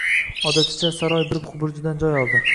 Odaticha, saroy bir burchidan joy oldi.